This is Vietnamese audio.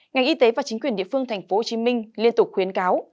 ngành y tế và chính quyền địa phương tp hcm liên tục khuyến cáo